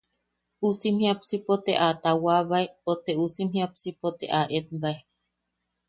Uusim jiapsipo te a taawabae o te uusim jiapsipo te eetbae.